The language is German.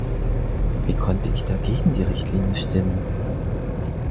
Wie konnte ich da gegen die Richtlinie stimmen?